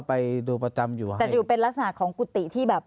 แต่จะอยู่เป็นลักษณะของกุฏิที่แบบ